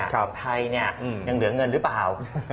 วงไทยยังเหลือเงินรึเปล่า